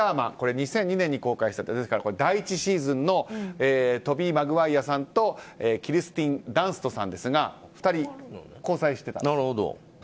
２００２年に公開されたですから第１シーズンのトビー・マグワイアさんとキルスティン・ダンストさん２人、交際してたと。